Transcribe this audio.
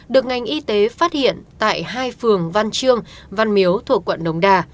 được ngành y tế phát hiện tại hai phường văn trương văn miếu thuộc quận đống đà